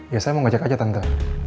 ya saya mau ngajak aja tante